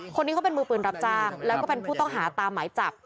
คนนี้เขาเป็นมือปืนรับจ้างแล้วก็เป็นผู้ต้องหาตามหมายจับ